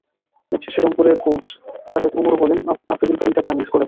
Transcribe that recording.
Match শেষে রংপুরের coach Javed ওমরও বললেন, আফ্রিদির বোলিংটা তাঁরা মিস করেছেন।